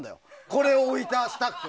これを置いたスタッフ。